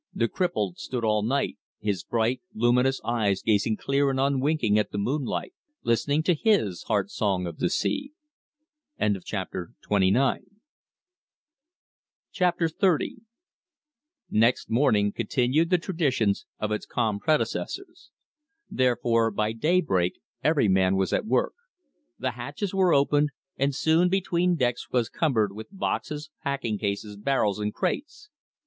The cripple stood all night, his bright, luminous eyes gazing clear and unwinking at the moonlight, listening to his Heart Song of the Sea. Chapter XXX Next morning continued the traditions of its calm predecessors. Therefore by daybreak every man was at work. The hatches were opened, and soon between decks was cumbered with boxes, packing cases, barrels, and crates.